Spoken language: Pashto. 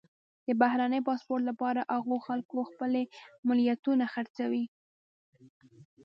د بهرني پاسپورټ لپاره هغو خلکو خپلې ملیتونه خرڅوي.